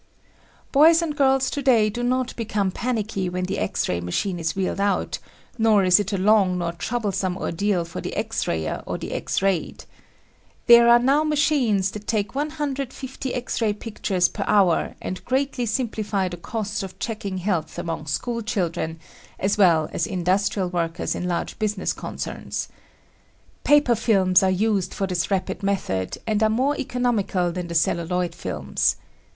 I Boys and girls today do not become panicky when the X ray machine is wheeled out, nor is it a long nor troublesome ordeal for the X rayer or the X rayed. There are now machines that take 150 X ray pictures per hour and greatly simplify the cost of checking health among school children, as well as industrial workers in large business concerns. Paper films are used for this rapid method and are more economical than the celluloid films.